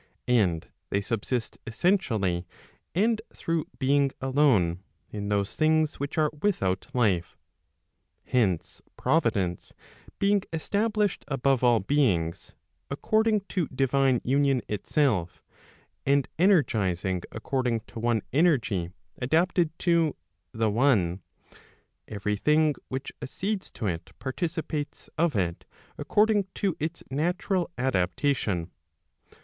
And they subsist essentially and through being alone, in those things which are without life, lienee, Providence being established above all beings, according to divine union itself, and ener Digitized by t^OOQLe 488 TEN DOUBTS gizing according to one energy adapted to the one , every thing which accedes to it participates of it according to its natural adaptation.